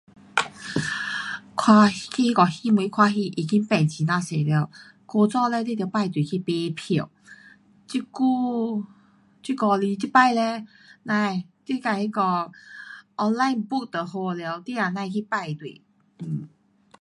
um 看那个戏院看戏已经变非常多了。古早嘞你得排队去买票。这久这阵只这次嘞，甭，你自己那个 online book 就好了。你也甭去排队。